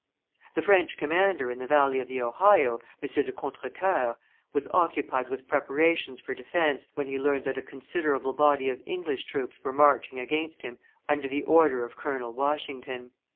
The French commander in the valley of the Ohio, M. de Contrecoeur, was occupied with preparations for defence, when he learned that a considerable body of English troops were marching against him under the orders of Colonel Washington.